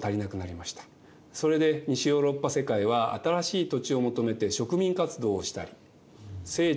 それで西ヨーロッパ世界は新しい土地を求めて植民活動をしたり聖地